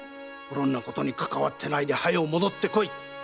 うろんなことにかかわってないで早う戻ってこい。